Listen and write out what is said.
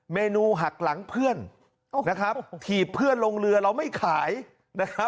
เมนูหักหลังเพื่อนนะครับถีบเพื่อนลงเรือเราไม่ขายนะครับ